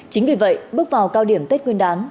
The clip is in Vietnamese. chính vì vậy bước vào cao điểm tết nguyên đán